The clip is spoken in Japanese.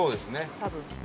多分。